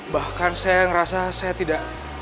bahkan saya merasa saya tidak